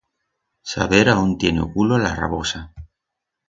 Saber aón tiene o culo la rabosa